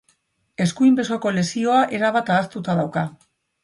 Eskuin besoko lesioa erabat ahaztuta dauka.